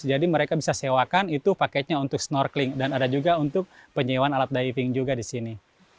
jadi mereka bisa sewakan itu paketnya untuk snorkeling dan ada juga untuk penyewaan alat diving juga di sini